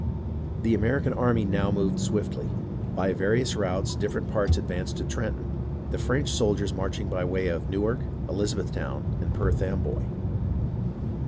The American army now moved swiftly. By various routes different parts advanced to Trenton, the French soldiers marching by the way of Newark, Elizabethtown, and Perth Amboy.